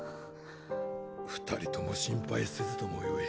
二人とも心配せずともよい。